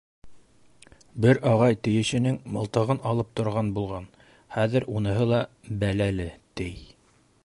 Бер ағай тейешенең мылтығын алып торған булған, хәҙер уныһы ла бәләле, тей.